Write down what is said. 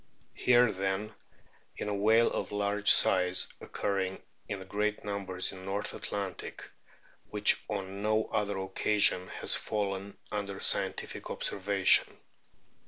Here, then, is a whale of large size, occurring in great numbers in the North Atlantic, which on no other occasion has fallen under scientific observation."